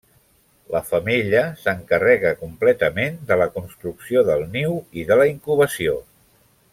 La femella s'encarrega completament de la construcció del niu i de la incubació.